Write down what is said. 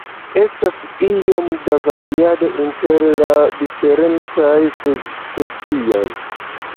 Estas iom da variado inter la diferencaj subspecioj.